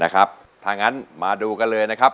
นะครับถ้างั้นมาดูกันเลยนะครับ